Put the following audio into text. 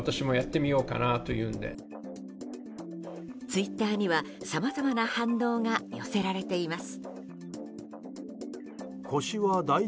ツイッターにはさまざまな反応が寄せられています。